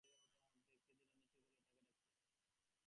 এই নীরবতার মধ্যেও কে যেন নিচু গলায় তাকে ডাকছে।